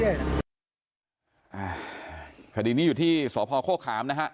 คดีนี้อยู่ที่สพโฆขามนะฮะ